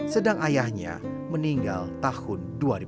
sedang ayahnya meninggal tahun dua ribu dua